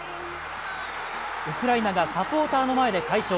ウクライナがサポーターの前で快勝。